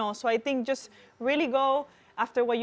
anda harus sangat berani dan mengambil resiko